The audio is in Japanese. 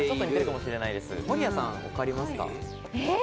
守屋さん、分かりますか？